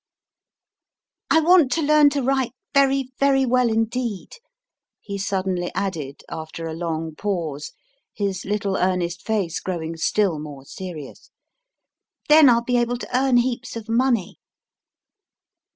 I want to learn to write very, very well indeed, he suddenly added after a long pause, his little earnest face growing still more serious, then I ll be able to earn heaps of money.